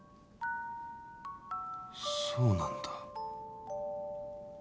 そうなんだ。